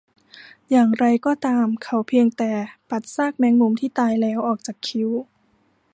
อย่างไรก็ตาม เขาเพียงแต่ปัดซากแมงมุมที่ตายแล้วออกจากคิ้ว